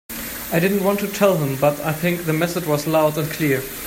I didn't want to tell him, but I think the message was loud and clear.